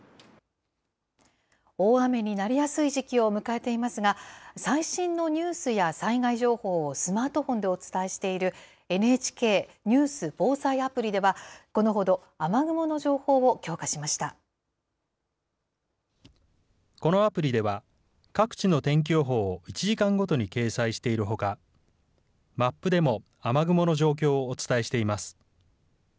大雨になりやすい時期を迎えていますが、最新のニュースや災害情報をスマートフォンでお伝えしている、ＮＨＫニュース・防災アプリでは、このほど、雨雲の情報を強化しまこのアプリでは、各地の天気予報を１時間ごとに掲載しているほか、マップでも雨雲の状況をお伝えしています。